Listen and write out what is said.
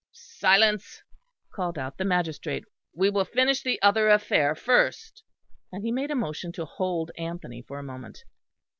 "Silence," called out the magistrate. "We will finish the other affair first," and he made a motion to hold Anthony for a moment.